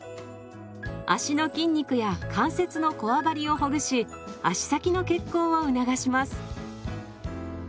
足の筋肉や関節のこわばりをほぐし足先の血行を促します。